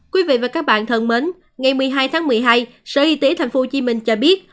quý vị và các bạn thân mến ngày một mươi hai tháng một mươi hai sở y tế tp hcm cho biết